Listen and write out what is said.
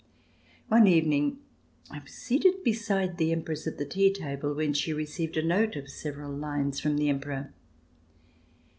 One evening I was seated beside the Empress at the tea table when she received a note of several lines from the Emperor.